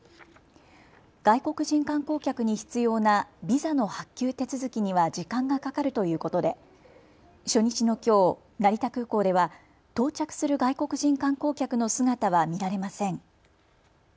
外国人観光客に必要なビザの発給手続きには時間がかかるということで初日のきょう、成田空港では到着する外国人観光客の姿は見られません。